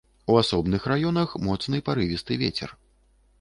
У асобных раёнах моцны парывісты вецер.